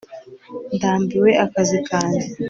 ndambiwe akazi kanjye